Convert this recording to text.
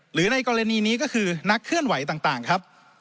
ในกรณีนี้ก็คือนักเคลื่อนไหวต่างครับ